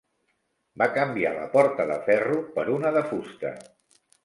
Va canviar la porta de ferro per una de fusta.